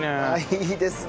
いいですね。